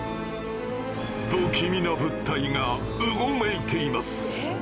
⁉不気味な物体がうごめいています。